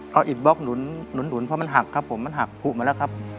เอาอิดบล็อกหนุนเพราะมันหักครับผมมันหักผูมาแล้วครับ